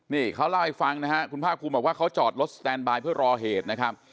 นี่เขาเล่าให้ฟังนะฮะคุณภาคภูมิบอกว่าเขาจอดรถสแตนบายเพื่อรอเหตุนะครับ